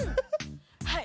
はい。